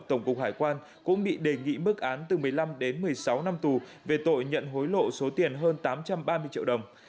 tổng cục hải quan cũng bị đề nghị mức án từ một mươi năm đến một mươi sáu năm tù về tội nhận hối lộ số tiền hơn tám trăm ba mươi triệu đồng